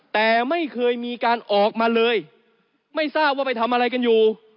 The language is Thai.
แต่ไม่เคยมีการออกมาเลยไม่ทราบว่าไปทำอะไรกันอยู่